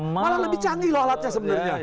malah lebih canggih loh alatnya sebenarnya